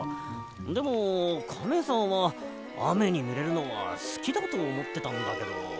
でもカメさんはあめにぬれるのはすきだとおもってたんだけど。